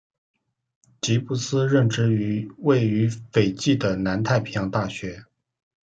吉布斯任职于位于斐济的南太平洋大学。